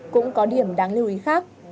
cũng có điểm đáng lưu ý khác